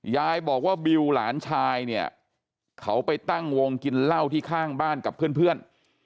ยายบอกว่าบิวหลานชายเนี่ยเขาไปตั้งวงกินเหล้าที่ข้างบ้านกับเพื่อน